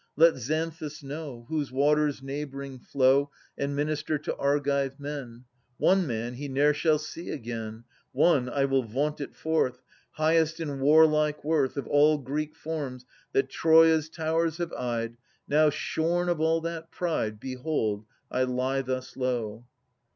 Let Xanthus know, Whose waters neighbouring flow. And minister to Argive men : One man he ne'er shall see again ; One, I will vaunt it forth! Highest in warlike worth Of all Greek forms that Troia's towers have eyed: Now, shorn of all that pride, Behold! I lie thus low.